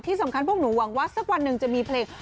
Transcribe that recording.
ที่สำคัญพวกหนูหวังว่าสักวันหนึ่งจะมีเพลง